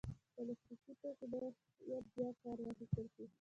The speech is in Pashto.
پلاستيکي توکي باید بیا کار واخیستل شي.